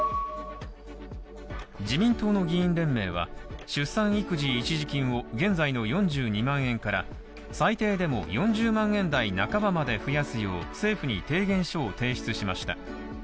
自民党の議員連盟は、出産育児一時金を現在の４２万円から最低でも４０万円台半ばまで増やすよう政府に提言書を提出しました。